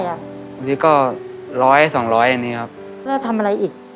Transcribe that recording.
อันนี้ก็ร้อยสองร้อยอันนี้ครับแล้วทำอะไรอีก